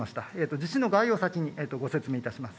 地震の概要を先に説明いたします。